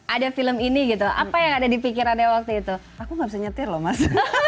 ada film ini gitu apa yang ada di pikirannya waktu itu aku gak bisa nyetir loh mas